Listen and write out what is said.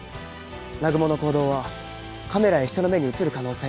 南雲の行動はカメラや人の目に映る可能性がある。